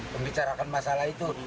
membicarakan masalah itu